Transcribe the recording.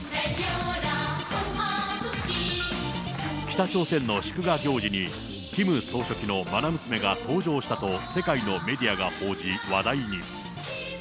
北朝鮮の祝賀行事に、キム総書記のまな娘が登場したと世界のメディアが報じ、話題に。